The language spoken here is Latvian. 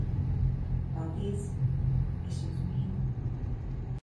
Paldies! Es jūs mīlu!